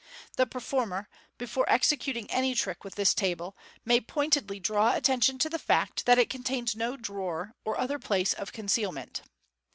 The performer, before executing any trick with this table, may pointedly draw attention to the fact that it contains no drawer or other place of concealment.